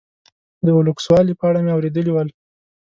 د لوکسوالي په اړه مې اورېدلي ول.